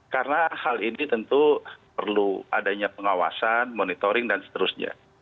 karena hal ini tentu perlu adanya pengawasan monitoring dan seterusnya